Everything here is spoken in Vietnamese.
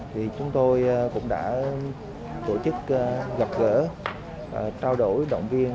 thì chúng tôi cũng đã tổ chức gặp gỡ trao đổi động viên